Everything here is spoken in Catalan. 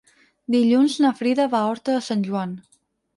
Dilluns na Frida va a Horta de Sant Joan.